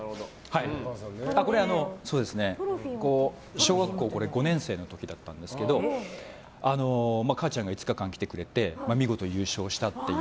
小学校５年生の時だったんですけどかあちゃんが５日間来てくれて見事、優勝したという。